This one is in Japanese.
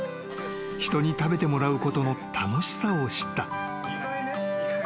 ［人に食べてもらうことの楽しさを知った］